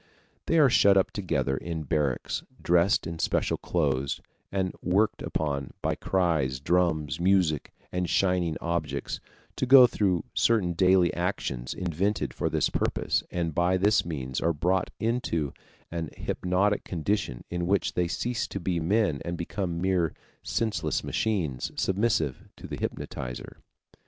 They are shut up together in barracks, dressed in special clothes, and worked upon by cries, drums, music, and shining objects to go through certain daily actions invented for this purpose, and by this means are brought into an hypnotic condition in which they cease to be men and become mere senseless machines, submissive to the hypnotizer.